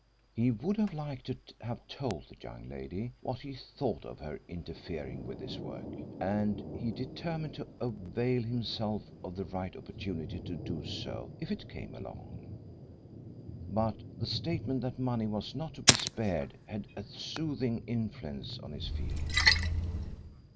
He would have liked to have told the young lady what he thought of her for interfering with his work, and he determined to avail himself of the right opportunity to do so if it came along. But the statement that money was not to be spared had a soothing influence on his feelings.